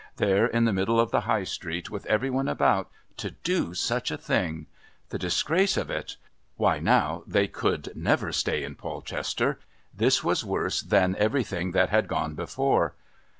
There in the middle of the High Street, with every one about, to do such a thing! The disgrace of it! Why, now, they could never stay in Polchester.... This was worse than everything that had gone before.